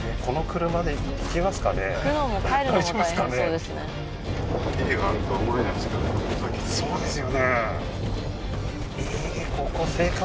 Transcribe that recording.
うんそうですよね